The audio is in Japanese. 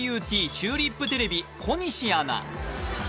チューリップテレビ小西アナ